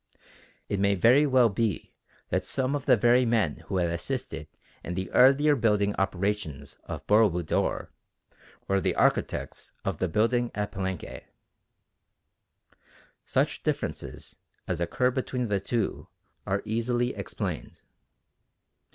It may very well be that some of the very men who had assisted in the earlier building operations of Boro Budor were the architects of the building at Palenque. Such differences as occur between the two are easily explained.